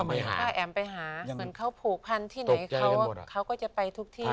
ถ้าแอ๋มไปหาเหมือนเขาผูกพันที่ไหนเขาก็จะไปทุกที่